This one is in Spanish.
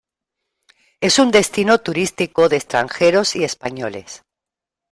Es un destino turístico de extranjeros y españoles.